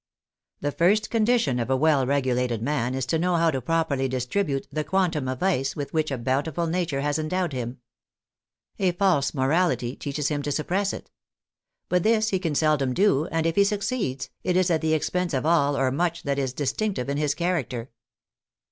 The first condition of a well regulated man is to know how to properly distribute the quantum of vice with which a bountiful nature has endowed him. A false morality teaches him to suppress it. But this he can sel dom do, and if he succeeds, it is at the expense of all or much that is distinctive in his character.